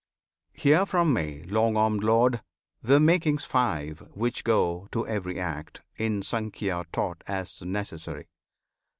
Hear from me, Long armed Lord! the makings five Which go to every act, in Sankhya taught As necessary.